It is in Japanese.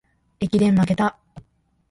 駅伝まけた